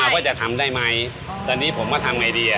ว่าตัวเองจะทำครัวได้